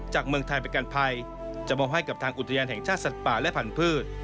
เมืองไทยประกันภัยจะมอบให้กับทางอุทยานแห่งชาติสัตว์ป่าและพันธุ์